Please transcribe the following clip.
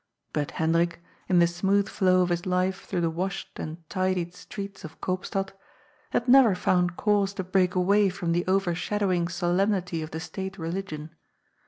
But Hendrik, in the smooth flow of his life through the washed and tidied streets of Eoopstad, had never found cause to break away from the overshadowing solemnity of the state religion.